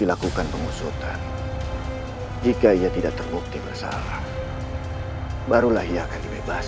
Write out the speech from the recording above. aku akan dibebaskan